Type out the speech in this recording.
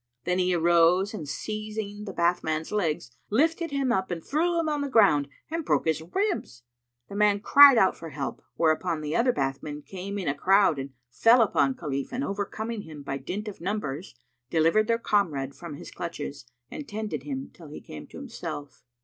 Then he arose and seizing the bathman's legs, lifted him up and threw him on the ground and broke his ribs. The man cried out for help, whereupon the other bathmen came in a crowd and fell upon Khalif and overcoming him by dint of numbers, delivered their comrade from his clutches and tunded him till he came to himself.